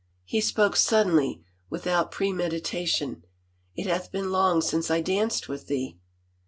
... He spoke suddenly, without premedita tion. " It hath been long since I danced with thee."